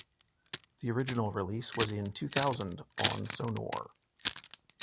The original release was in two thousand on Sonore.